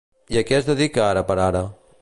I a què es dedica ara per ara?